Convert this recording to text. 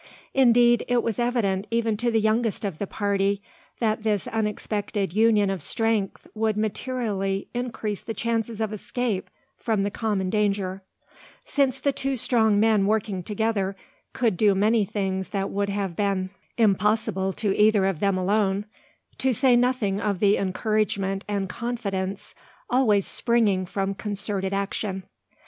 Indeed, it was evident even to the youngest of the party, that this unexpected union of strength would materially increase the chances of escape from the common danger; since the two strong men working together could do many things that would have been impossible to either of them alone, to say nothing of the encouragement and confidence always springing from concerted action.